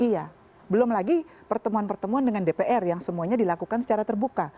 iya belum lagi pertemuan pertemuan dengan dpr yang semuanya dilakukan secara terbuka